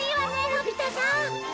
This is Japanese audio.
のび太さん。